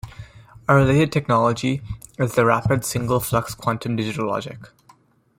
A related technology is the Rapid Single Flux Quantum digital logic.